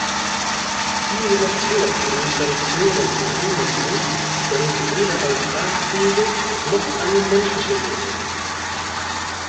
Diese Nation durch Sanktionen zu demütigen, bringt weder eine tragfähige noch eine menschliche Lösung.